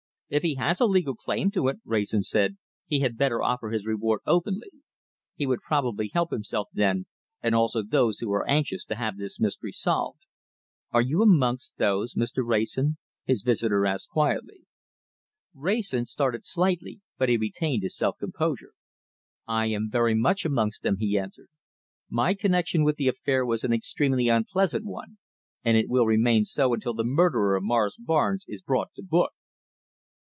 "If he has a legal claim to it," Wrayson said, "he had better offer his reward openly. He would probably help himself then, and also those who are anxious to have this mystery solved." "Are you amongst those, Mr. Wrayson?" his visitor asked quietly. Wrayson started slightly, but he retained his self composure. "I am very much amongst them," he answered. "My connection with the affair was an extremely unpleasant one, and it will remain so until the murderer of Morris Barnes is brought to book."